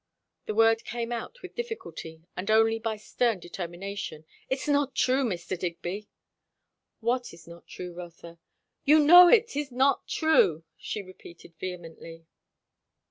The word came out with difficulty and only by stern determination. "It is not true, Mr. Digby." "What is not true, Rotha?" "You know. It is not true!" she repeated vehemently.